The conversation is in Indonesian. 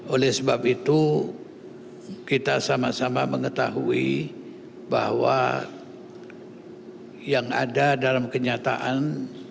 oleh sebab itu kita sama sama mengetahui bahwa yang ada dalam kenyataan